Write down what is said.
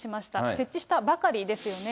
設置したばかりですよね。